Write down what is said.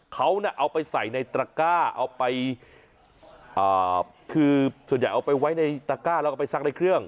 เขาน่ะเอาไปใส่ในตระก้าเอาไปคือส่วนใหญ่เอาไปไว้ในตระก้าแล้วก็ไปซักในเครื่อง